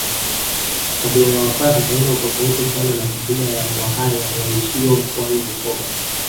Tabia ya wapare haina utofauti sana na kabila la wahaya waishio mkoani Bukoba